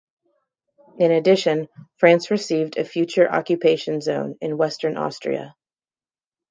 In addition, France received a future occupation zone in western Austria.